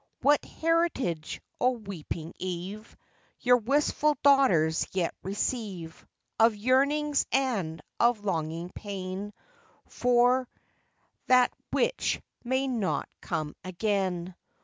What heritage, O weeping Eve, Your wistful daughters yet receive Of yearnings, and of longing pain, For that which may not come again